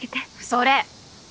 それ！